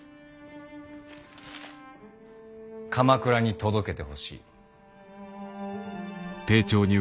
鎌倉に届けてほしい。